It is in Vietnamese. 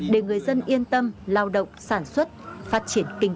để người dân yên tâm lao động sản xuất phát triển kinh tế